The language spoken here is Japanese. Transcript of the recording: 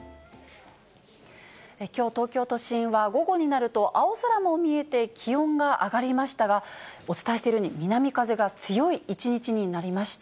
きょう、東京都心は午後になると、青空も見えて、気温が上がりましたが、お伝えしているように、南風が強い一日になりました。